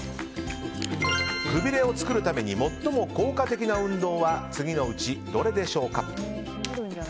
くびれを作るために最も効果的な運動は次のうち、どれでしょうか？